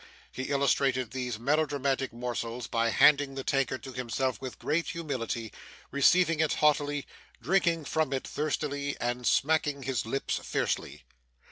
He illustrated these melodramatic morsels by handing the tankard to himself with great humility, receiving it haughtily, drinking from it thirstily, and smacking his lips fiercely.